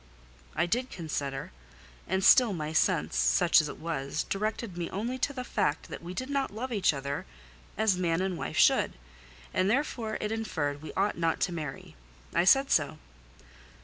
I did consider; and still my sense, such as it was, directed me only to the fact that we did not love each other as man and wife should: and therefore it inferred we ought not to marry. I said so.